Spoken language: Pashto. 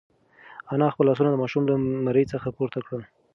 انا خپل لاسونه د ماشوم له مرۍ څخه پورته کړل.